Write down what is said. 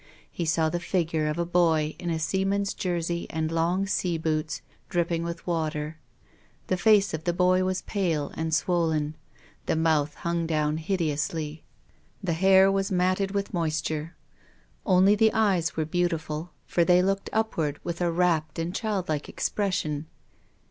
He saw the figure of a boy in a seaman's jersey and long sea boots dripping with water. The face of the boy was pale and swollen. The mouth hung down hideously. The hair was I08 TONGUES OF CONSCIENCE. matted with moisture. Only the eyes were beau tiful, for they looked upward with a rapt and childlike expression.